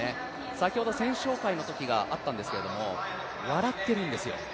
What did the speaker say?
先ほど選手紹介があったんですが笑ってるんですよ。